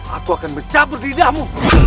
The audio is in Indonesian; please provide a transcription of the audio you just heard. aku akan mencapai lidahmu